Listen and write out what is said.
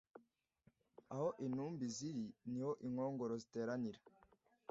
aho intumbi ziri ni ho inkongoro ziteranira